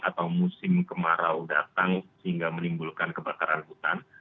atau musim kemarau datang sehingga menimbulkan kebakaran hutan